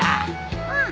うん。